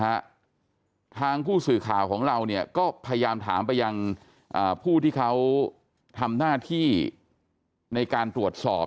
ทางผู้สื่อข่าวของเราเนี่ยก็พยายามถามไปยังอ่าผู้ที่เขาทำหน้าที่ในการตรวจสอบ